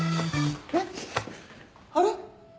えっあれ？